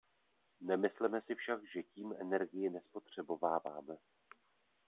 Nemysleme si však, že tím energii nespotřebováváme.